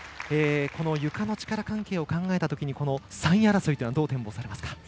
ゆかの力関係を考えたときに３位争いというのはどう展望されますか。